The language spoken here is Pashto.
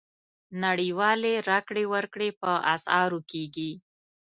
نړیوالې راکړې ورکړې په اسعارو کېږي.